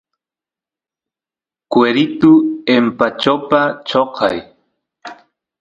cueritu empachopa choqay